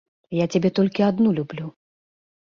Я цябе толькі адну люблю.